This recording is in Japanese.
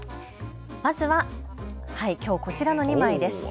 まずは、きょうこちらの２枚です。